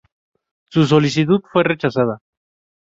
Su solicitud fue rechazada.